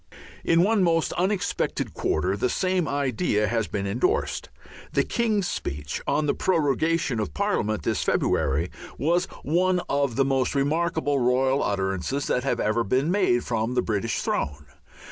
In one most unexpected quarter the same idea has been endorsed. The King's Speech on the prorogation of Parliament this February was one of the most remarkable royal utterances that have ever been made from the British throne.